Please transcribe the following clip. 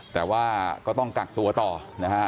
แต่ว่าก็ต้องกักตัวต่อนะฮะ